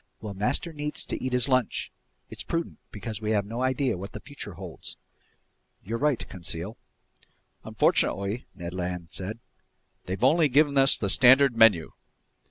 "Well, master needs to eat his lunch! It's prudent, because we have no idea what the future holds." "You're right, Conseil." "Unfortunately," Ned Land said, "they've only given us the standard menu."